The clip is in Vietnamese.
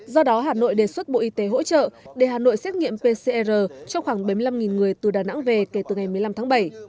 do đó hà nội đề xuất bộ y tế hỗ trợ để hà nội xét nghiệm pcr cho khoảng bảy mươi năm người từ đà nẵng về kể từ ngày một mươi năm tháng bảy